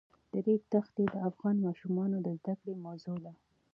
د ریګ دښتې د افغان ماشومانو د زده کړې موضوع ده.